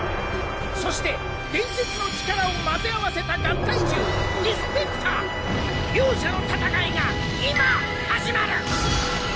そして伝説の力を混ぜ合わせた合体獣ディスペクター。両者の戦いが今始まる！